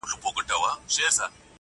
توره، لونگينه، تکه سپينه ياره